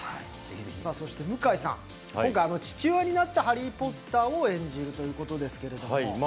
向井さん、今回、父親になったハリー・ポッターを演じるということですけれども。